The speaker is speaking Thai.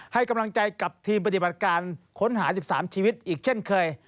ให้กำลังใจกับทีมปฏิบัติการค้นหา๑๓ชีวิตอีกเช่นเคย